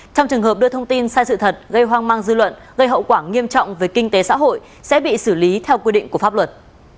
trong trường hợp đưa thông tin sai sự thật gây hoang mang dư luận gây hậu quả nghiêm trọng về kinh tế xã hội sẽ bị xử lý theo quy định của pháp luật